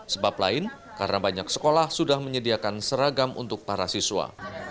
sebab lain karena banyak sekolah sudah menyediakan seragam untuk para siswa